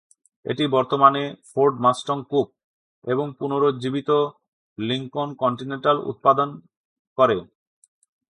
এটি বর্তমানে Ford Mustang coupe এবং পুনরুজ্জীবিত লিংকন কন্টিনেন্টাল উৎপাদন করে।